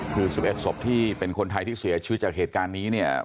คือ๑๑ศพที่เป็นคนไทยที่เสียชีวิตจากเหตุการณ์นี้เนี่ย